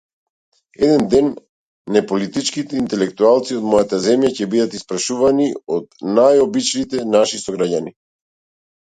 Еден ден неполитичките интелектуалци од мојата земја ќе бидат испрашувани од најобичните наши сограѓани.